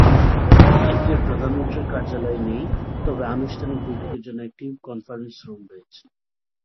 এতে প্রধানমন্ত্রীর কার্যালয় নেই তবে আনুষ্ঠানিক বৈঠকের জন্য একটি কনফারেন্স রুম রয়েছে।